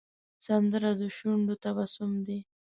سندره د شونډو تبسم دی